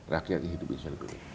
rakyat indonesia hidup lebih baik